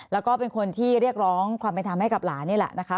แล้วก็เป็นคนที่เรียกร้องความเป็นธรรมให้กับหลานนี่แหละนะคะ